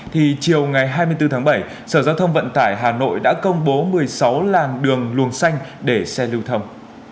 thì chiều ngày hai mươi bốn tháng bảy sở giao thông vận tải hà nội đã công bố một mươi sáu làn đường luồng xanh để xe lưu thông